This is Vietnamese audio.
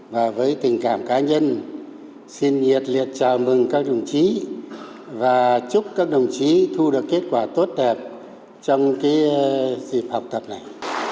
và với tình cảm cá nhân xin nhiệt liệt chào mừng các đồng chí và chúc các đồng chí thu được kết quả tốt đẹp trong dịp học tập này